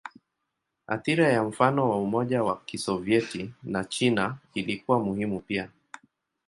Athira ya mfano wa Umoja wa Kisovyeti na China ilikuwa muhimu pia.